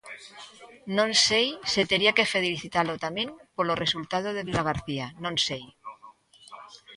Non sei se tería que felicitalo tamén polo resultado de Vilagarcía, non sei.